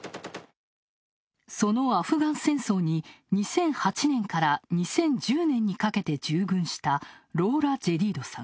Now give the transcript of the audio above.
そのアフガン戦争に２００８年から２０１０年にかけて従軍したローラ・ジェディードさん。